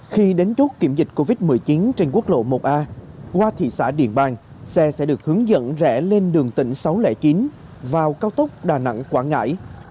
khi đến chốt kiểm dịch covid một mươi chín trên quốc lộ một a qua thị xã điện bàn xe sẽ được hướng dẫn rẽ lên đường tỉnh sáu trăm linh chín vào cao tốc đà nẵng quảng ngãi